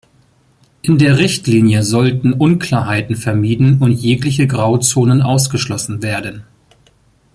In der Richtlinie sollten Unklarheiten vermieden und jegliche Grauzonen ausgeschlossen werden.